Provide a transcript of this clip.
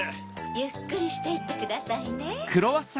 ゆっくりしていってくださいね。